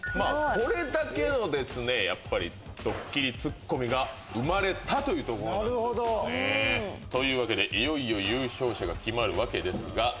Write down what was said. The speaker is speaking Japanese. これだけのですねドッキリツッコミが生まれたというところなんですよね。というわけでいよいよ優勝者が決まるわけですが。